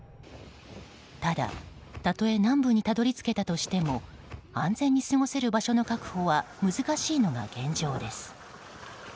ただ、たとえ南部にたどり着けたとしても安全に過ごせる場所の確保は難しいのが現状です。